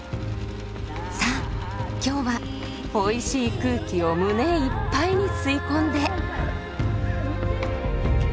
さあ今日はおいしい空気を胸いっぱいに吸い込んで。